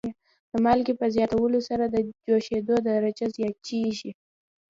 د مالګې په زیاتولو سره د جوشیدو درجه زیاتیږي.